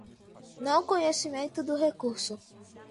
não conhecimento do recurso